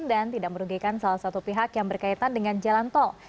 dan tidak merugikan salah satu pihak yang berkaitan dengan jalan tol